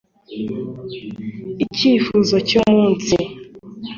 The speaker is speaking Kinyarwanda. icyifuzo cyumunsi